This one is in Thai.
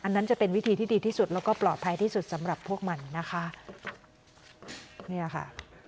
นั่นจะเป็นวิธีที่ดีที่สุดแล้วก็ปลอดภัยที่สุดสำหรับพวกมันนะคะเนี่ยค่ะ